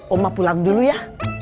oma pulang dulu ya